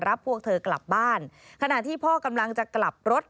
มันเกิดเหตุเป็นเหตุที่บ้านกลัว